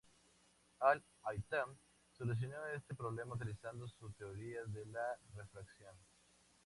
Al-Haytham solucionó este problema utilizando su teoría de la refracción.